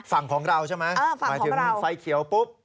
ฝั่งของเราใช่ไหมหมายถึงไฟเขียวปุ๊บ